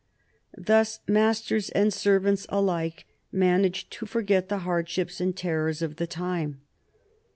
Thus masters and servants alike managed to forget the hardships and terrors of the time.